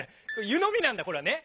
「ゆのみ」なんだこれはね。